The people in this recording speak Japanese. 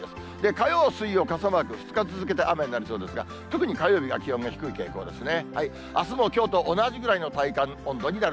火曜、水曜、傘マーク、２日続けて雨になりそうですが、特に、火曜日は気温が低い傾向ですね。